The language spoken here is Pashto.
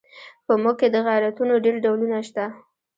په موږ کې د غیرتونو ډېر ډولونه شته.